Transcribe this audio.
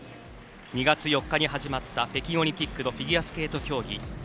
２月４日に始まった北京オリンピックのフィギュアスケート競技。